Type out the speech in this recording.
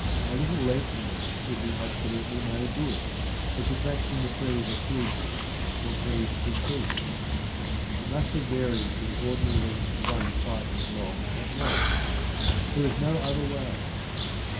A little lengthening would be absolutely no good, as the cracks in the trees are 2 inches or 3 inches deep. It must have varied from the ordinary length to one twice as long at once. There is no other way.